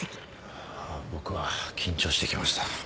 あぁ僕は緊張してきました。